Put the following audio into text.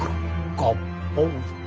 がっぽん？